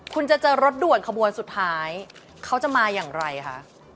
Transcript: คุณจะเจอรถด่วนขบวนสุดท้ายเขาจะมาอย่างไรคะ